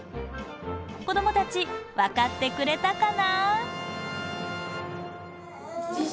子どもたち分かってくれたかな？